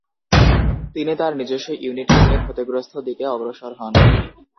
তিনি তার নিজস্ব ইউনিটকে নিয়ে ক্ষতিগ্রস্থ দিকে অগ্রসর হন।